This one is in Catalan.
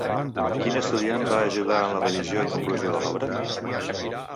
Quin estudiant va ajudar en la revisió i conclusió de l'obra?